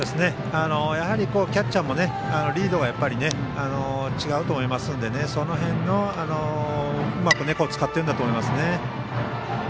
キャッチャーもリードが違うと思いますのでその辺、うまく使っているんだと思いますね。